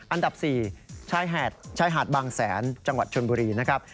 อันดับ๔ชายหาดบางแสนจังหวัดชนบุรีนะครับ